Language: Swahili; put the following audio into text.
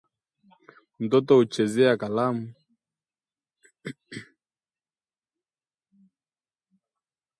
Mtoto huchezea kalamu